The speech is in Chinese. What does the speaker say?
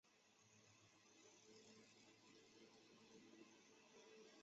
马恩河畔阿内人口变化图示戈尔德